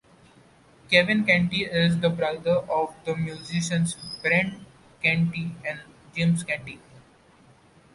Kevin Canty is the brother of the musicians Brendan Canty and James Canty.